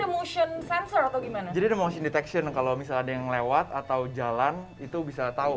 motion sensor atau gimana jadi ada motion detection kalau misalnya ada yang lewat atau jalan itu bisa tahu